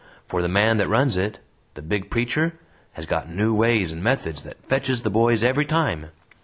For the man that runs it the big preacher has got new ways and methods that fetches the boys every time.